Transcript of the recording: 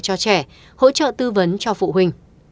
cho trẻ hỗ trợ tư vấn cho phụ huynh